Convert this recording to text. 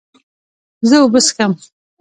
زه اوبه څښم